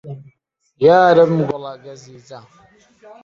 یارم گوڵە گەزیزە